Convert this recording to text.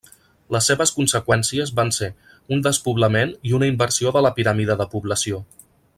Les seves conseqüències van ser, un despoblament i una inversió de la piràmide de població.